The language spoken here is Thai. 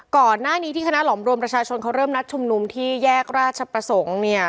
ก่อนหน้านี้ที่คณะหล่อมรวมประชาชนเขาเริ่มนัดชุมนุมที่แยกราชประสงค์เนี่ย